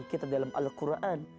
kita dalam al quran